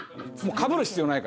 かぶる必要ない。